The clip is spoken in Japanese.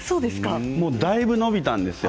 だいぶ伸びたんですよ。